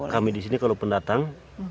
kami di sini kalau pendatang